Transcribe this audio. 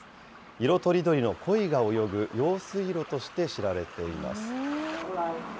色とりどりのコイが泳ぐ用水路として知られています。